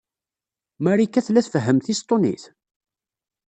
Marika tella tfehhem tisṭunit?